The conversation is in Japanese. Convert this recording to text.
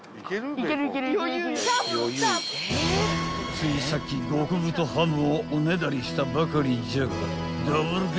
［ついさっき極太ハムをおねだりしたばかりじゃがダブルゲットなるか？］